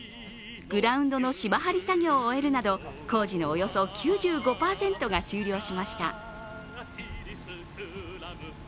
グラウンドの芝張り作業を終えるなど、工事のおよそ９５％が終了しました。